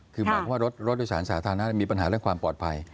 คือหมายความว่ารถโดยสารสาธารณะมีปัญหาเรื่องความปลอดภัย